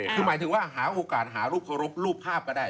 คือหมายถึงว่าหาโอกาสหารูปเคารพรูปภาพก็ได้